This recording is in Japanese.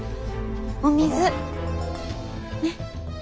お水ねっ。